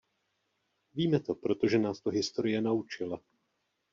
Víme to, protože nás to historie naučila.